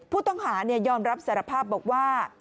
ผู้ต้องหายอมรับสารภาพบอกว่า